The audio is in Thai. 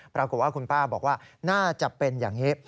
ปรากฏว่าคุณป้าบอกว่าน่าจะเป็นอย่างนี้